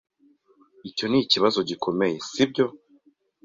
Icyo nikibazo gikomeye, sibyo?